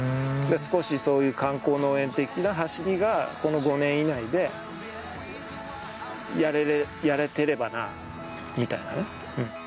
少しそういう観光農園的な走りがこの５年以内でやれてればなみたいな。